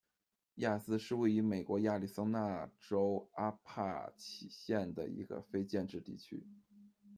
亚兹是位于美国亚利桑那州阿帕契县的一个非建制地区。